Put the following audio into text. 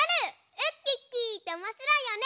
ウッキッキーっておもしろいよね。